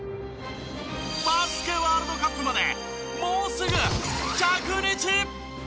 バスケワールドカップまでもうすぐ１００日！